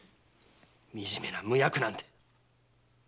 みじめな無役なんて！